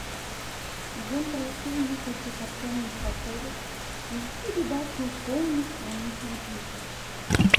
Ён прайшоў некалькі карчомных баковак і ўсюды бачыў поўна сонных людзей.